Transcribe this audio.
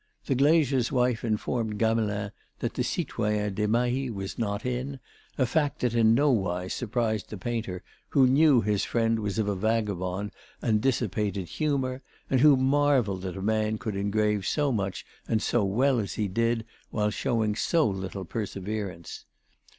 The glazier's wife informed Gamelin that the citoyen Desmahis was not in, a fact that in no wise surprised the painter, who knew his friend was of a vagabond and dissipated humour and who marvelled that a man could engrave so much and so well as he did while showing so little perseverance.